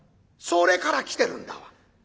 それから来てるんだわ。